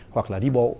hoặc là đi bộ